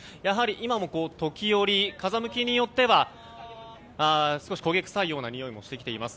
今も時折、風向きによっては少し焦げ臭いような匂いもしてきています。